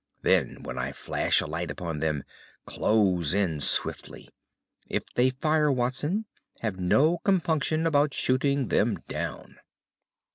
Then, when I flash a light upon them, close in swiftly. If they fire, Watson, have no compunction about shooting them down."